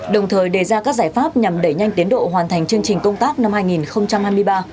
đồng thời đề ra các giải pháp nhằm đẩy nhanh tiến độ hoàn thành chương trình công tác năm hai nghìn hai mươi ba